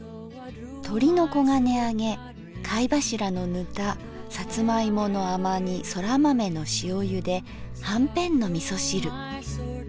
とりの黄金あげ貝柱のぬたさつま芋の甘煮空豆の塩ゆではんぺんの味噌汁。